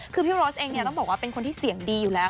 คือพี่โรสเองเนี่ยต้องบอกว่าเป็นคนที่เสียงดีอยู่แล้ว